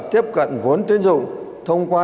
tiếp cận vốn tiến dụng thông qua